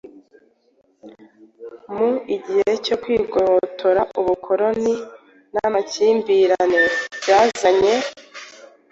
mu gihe cyo kwigobotora ubukoloni n'amakimbirane byazanye,